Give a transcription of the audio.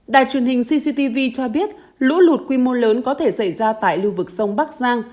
đài truyền hình cctv cho biết lũ lụt quy mô lớn có thể xảy ra tại lưu vực sông bắc giang